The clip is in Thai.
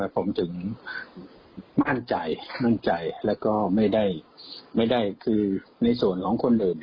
ผมถึงมั่นใจมั่นใจแล้วก็ไม่ได้คือในส่วนของคนอื่น